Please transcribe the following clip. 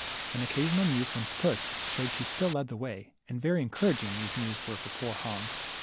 An occasional mew from puss showed she still led the way, and very encouraging these mews were for poor Hans.